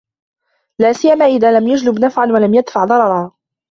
لَا سِيَّمَا إذَا لَمْ يَجْلِبْ نَفْعًا وَلَمْ يَدْفَعْ ضَرَرًا